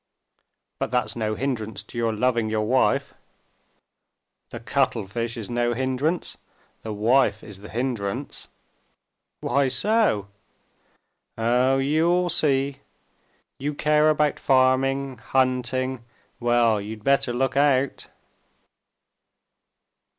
"But that's no hindrance to your loving your wife." "The cuttlefish is no hindrance. The wife is the hindrance." "Why so?" "Oh, you'll see! You care about farming, hunting,—well, you'd better look out!"